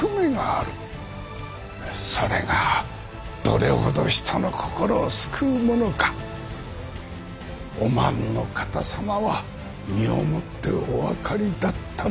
それがどれほど人の心を救うものかお万の方様は身をもってお分かりだったのでございましょう。